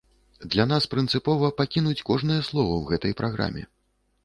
Для нас прынцыпова пакінуць кожнае слова ў гэтай праграме.